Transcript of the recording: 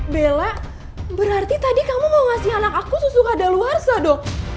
bella berarti tadi kamu mau ngasih anak aku susu kadaluarsa dong